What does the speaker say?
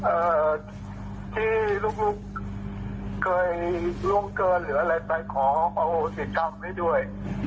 เอ่อที่ลูกเคยร่วมเกินหรืออะไรไปขอเขาสิทธิ์กรรมให้ด้วย